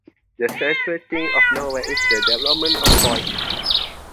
The central theme of the novel is the development of boys.